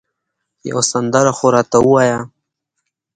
یوه سندره خو راته ووایه